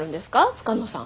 深野さん。